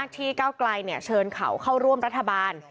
ที่เก้าไกลเนี่ยเชิญเขาเข้าร่วมรัฐบาล